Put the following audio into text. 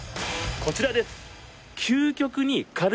こちらです！